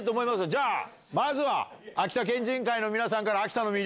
じゃあ、まずは秋田県人会の皆さ